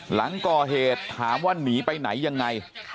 หลังก่อเหตุถามว่าหนีไปไหนยังไง